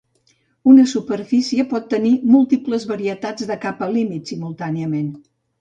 Una superfície pot tenir múltiples varietats de capa límit simultàniament.